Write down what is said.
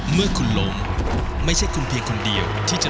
เมื่อคุณล้มไม่ใช่คุณเพียงคนเดียวที่จะ